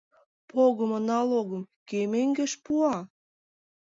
Погымо налогым кӧ мӧҥгеш пуа?